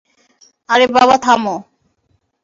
আরে, বাবা--- - থামো।